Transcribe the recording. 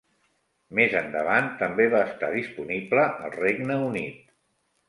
Més endavant també va estar disponible al Regne Unit.